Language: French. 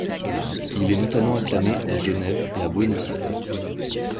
Il est notamment acclamé à Genève et à Buenos Aires.